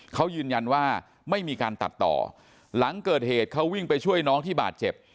เขายืนยันว่าไม่มีการตัดต่อหลังเกิดเหตุเขาวิ่งไปช่วยน้องที่บาดเจ็บ